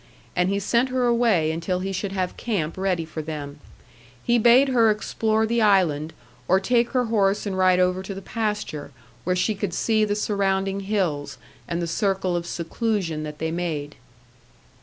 And he sent her away until he should have camp ready for them. He bade her explore the island, or take her horse and ride over to the pasture, where she could see the surrounding hills and the circle of seclusion that they made.